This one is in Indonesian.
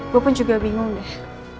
gue pun juga bingung deh